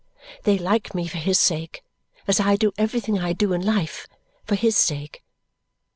They like me for his sake, as I do everything I do in life for his sake.